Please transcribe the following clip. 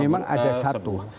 memang ada satu